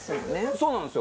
そうなんですよ。